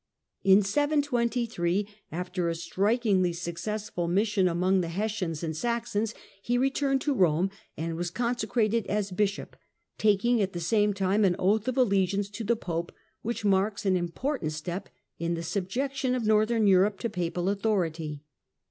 In 723, after a strikingly successful mission among the Hessians and Saxons, he returned to Rome and was consecrated as bishop, taking at the same time an oath of allegiance to the Pope which marks an im portant step in the subjection of Northern Europe to Papal authority.